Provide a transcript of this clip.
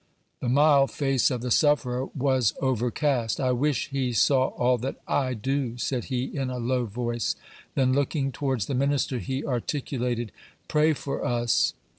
The mild face of the sufferer was overcast. "I wish he saw all that I do," said he, in a low voice. Then looking towards the minister, he articulated, "Pray for us."